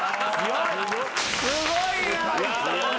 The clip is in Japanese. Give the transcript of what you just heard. すごいな。